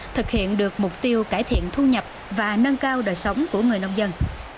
thực hiện được mục tiêu cải thiện thu nhập và nâng cao đời sống của người nông dân